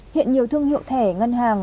hiện nhiều thương hiệu thẻ ngân hàng